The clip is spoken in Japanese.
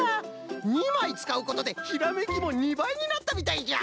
２まいつかうことでひらめきも２ばいになったみたいじゃ。